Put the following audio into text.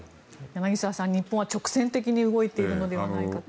柳澤さん、日本は直線的に動いているのではないかと。